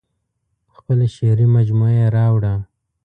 خپله شعري مجموعه یې راوړه.